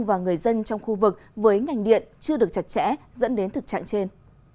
và người dân trong khu vực với ngành điện chưa được chặt chẽ dẫn đến thực trạng trên